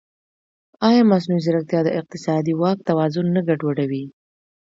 ایا مصنوعي ځیرکتیا د اقتصادي واک توازن نه ګډوډوي؟